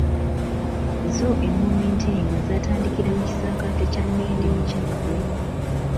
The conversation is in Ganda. Zo engoma entenga zaatandikira mu kisaakaaate kya Nnende mu Kyaggwe .